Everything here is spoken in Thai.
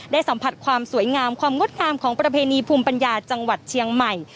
สัมผัสความสวยงามความงดงามของประเพณีภูมิปัญญาจังหวัดเชียงใหม่